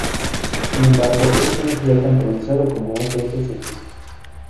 Sin embargo, este no será tan pronunciado como en otros ejemplos.